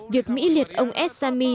việc mỹ liệt ông al assami